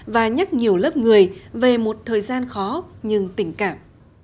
và nhắc nhiều lớp người về một thời gian khó nhưng tình cảm